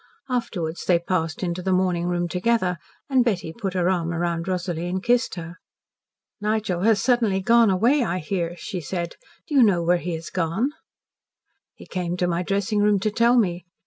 Afterwards they passed into the morning room together, and Betty put her arm around Rosalie and kissed her. "Nigel has suddenly gone away, I hear," she said. "Do you know where he has gone?" "He came to my dressing room to tell me."